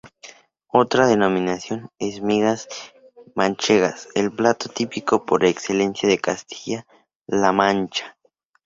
Otra denominación es migas manchegas, el plato típico por excelencia de Castilla la Mancha.